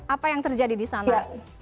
apa yang terjadi di sana